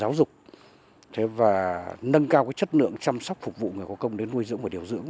sau cái chất lượng chăm sóc phục vụ người có công đến nuôi dưỡng và điều dưỡng